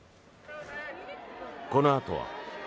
このあとは。